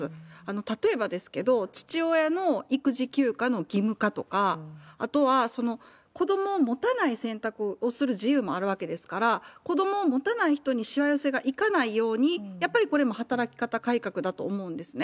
例えば、父親の育児休暇の義務化とか、あとは子どもを持たない選択をする自由もあるわけですから、子どもを持たない人にしわ寄せがいかないように、やっぱりこれも働き方改革だと思うんですね。